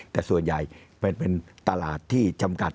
แต่ส่วนใหญ่เป็นตลาดที่จำกัด